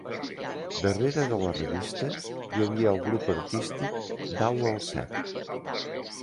Darrere de la revista hi havia el grup artístic Dau al Set.